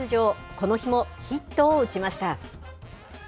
この日もヒットを打ちました。